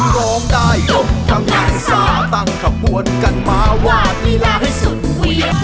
ร้องได้ยกกำลังซ่าตั้งขวนกันมาวาดเวลาให้สุดเวียบ